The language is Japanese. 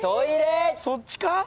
そっちか？